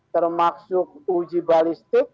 termasuk uji balistik